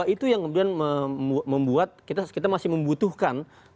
itu yang kemudian membuat kita masih membutuhkan